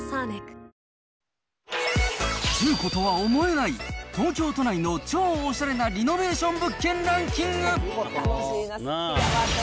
中古とは思えない、東京都内の超おしゃれなリノベーション物件ランキング。